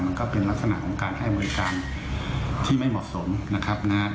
มันก็เป็นลักษณะของการให้บริการที่ไม่เหมาะสมนะครับนะฮะ